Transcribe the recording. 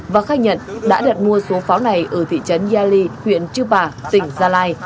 và khai nhận đã đặt mua số pháo này ở thị trấn yali huyện chư bà tỉnh gia lai